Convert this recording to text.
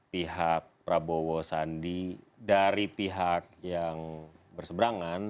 pihak prabowo sandi dari pihak yang berseberangan